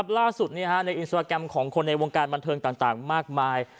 ล่าสุดในอินสตราแกรมของคนในวงการบันเทิงต่างมากมาย